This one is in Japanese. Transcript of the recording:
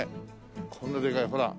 こんなでかいほら。